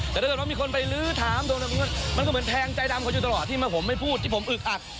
แต่ถ้าไม่มีคนไปลื้อถามตรงนั้นมันก็ผิดแทงใจดัมก็มีตลอดที่ไหมผมไม่พูดที่ผมอึกอัก